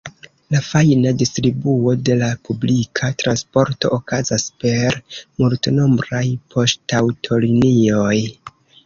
La fajna distribuo de la publika transporto okazas per multnombraj poŝtaŭtolinioj.